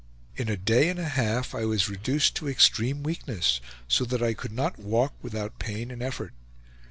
In a day and a half I was reduced to extreme weakness, so that I could not walk without pain and effort.